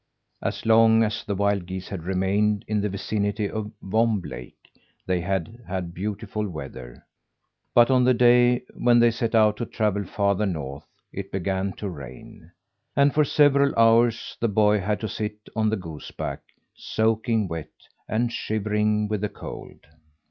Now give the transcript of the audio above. As long as the wild geese had remained in the vicinity of Vomb Lake, they had had beautiful weather; but on the day when they set out to travel farther north, it began to rain, and for several hours the boy had to sit on the goose back, soaking wet, and shivering with the cold.